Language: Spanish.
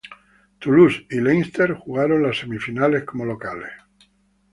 Toulouse y Leinster jugaron las semifinales como locales.